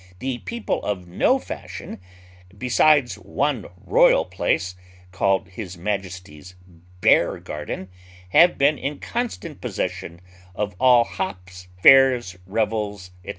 the people of no fashion, besides one royal place, called his Majesty's Bear garden, have been in constant possession of all hops, fairs, revels, &c.